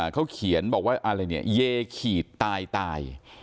เขาเขียนบอกว่าอะไรเนี่ยเยขีดตายตาย